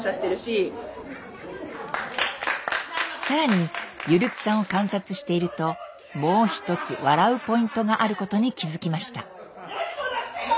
更にゆるつさんを観察しているともう一つ笑うポイントがあることに気付きました。